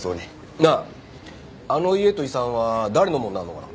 なああの家と遺産は誰のものになるのかな？